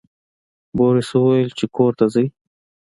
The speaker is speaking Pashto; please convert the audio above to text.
بوریس وویل چې کور ته ځئ.